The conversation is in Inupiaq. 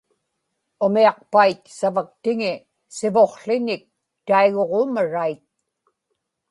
umiaqpait savaktiŋi sivuqłiñik taiguġuumarait